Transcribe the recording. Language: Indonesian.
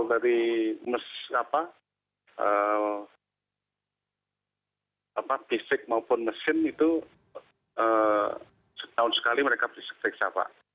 di meskipun mesin itu setahun sekali mereka beriksa pak